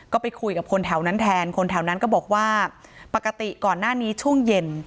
ก็ไปคุยกับคนแถวนั้นแทนคนแถวนั้นก็บอกว่าปกติก่อนหน้านี้ช่วงเย็น